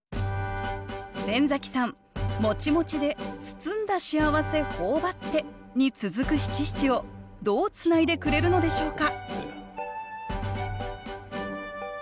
先崎さん「もちもちでつつんだ幸せほおばって」に続く七七をどうつないでくれるのでしょうか？